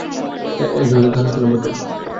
একজনকে খালাস করলাম।